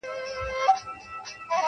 چي نن ولویږي له تخته سبا ګوري -